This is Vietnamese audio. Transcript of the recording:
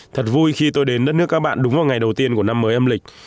thật vui khi tôi đến đất nước các bạn đúng vào ngày đầu tiên của năm mới âm lịch